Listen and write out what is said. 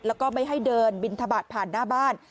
แล้วก็ไม่ให้เดินบินทบาทผ่านหน้าบ้าน